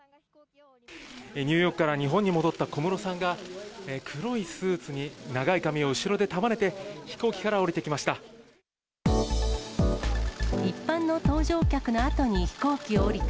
ニューヨークから日本に戻った小室さんが、黒いスーツに長い髪を後ろで束ねて、飛行機から降りてきました。